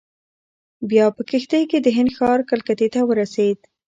بیا په کښتۍ کې د هند ښار کلکتې ته ورسېد.